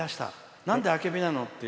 なんで、あけびなのっていう。